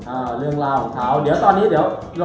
อ่าเรื่องราวของเขา